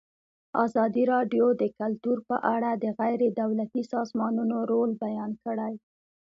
ازادي راډیو د کلتور په اړه د غیر دولتي سازمانونو رول بیان کړی.